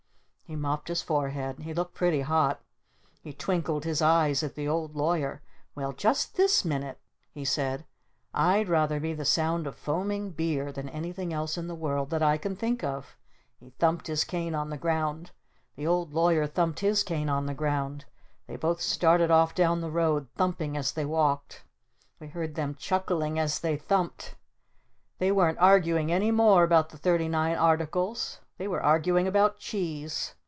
He mopped his forehead. He looked pretty hot. He twinkled his eyes at the Old Lawyer. "Well just this minute," he said, "I'd rather be the Sound of Foaming Beer than anything else in the world that I can think of!" He thumped his cane on the ground. The Old Lawyer thumped his cane on the ground. They both started off down the road thumping as they walked. We heard them chuckling as they thumped. They weren't arguing any more about the "Thirty Nine Articles." They were arguing about Cheese.